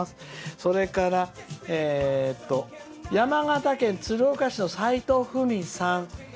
それから、山形県鶴岡市のさいとうふみさん。